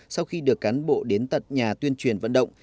sau khi được cán bộ đến tận nhà tuyên truyền vận động